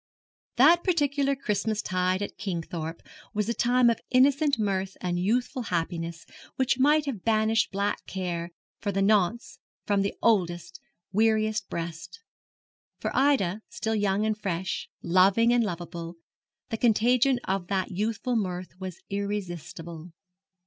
That particular Christmas tide at Kingthorpe was a time of innocent mirth and youthful happiness which might have banished black care, for the nonce, from the oldest, weariest breast. For Ida, still young and fresh, loving and lovable, the contagion of that youthful mirth was irresistible.